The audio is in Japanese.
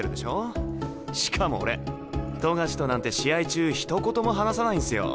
しかも俺冨樫となんて試合中ひと言も話さないんすよ。